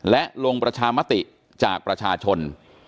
และลงประชามติจากประชาชน